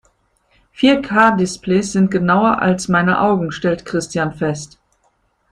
Vier-K-Displays sind genauer als meine Augen, stellt Christian fest.